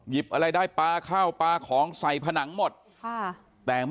ติดเตียงได้ยินเสียงลูกสาวต้องโทรศัพท์ไปหาคนมาช่วย